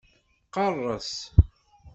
Qerres!